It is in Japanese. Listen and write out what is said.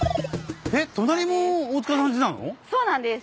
そうなんです。